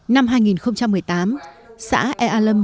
năm hai nghìn một mươi tám xã ea lâm